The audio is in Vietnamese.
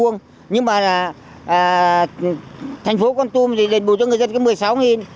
nhưng mà thành phố con tum thì đền bù cho người dân có một mươi sáu nghìn